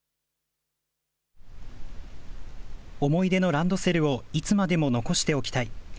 ランドセルをいつまでも残しておきたい。